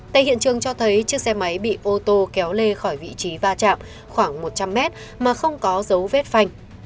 tại hiện trường cho thấy chiếc xe máy bị ô tô kéo lê khỏi vị trí va chạm khoảng một trăm linh mét mà không có dấu vết phanh